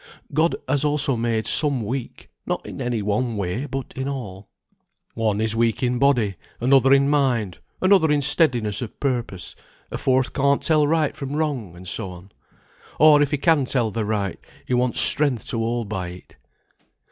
God has also made some weak; not in any one way, but in all. One is weak in body, another in mind, another in steadiness of purpose, a fourth can't tell right from wrong, and so on; or if he can tell the right, he wants strength to hold by it.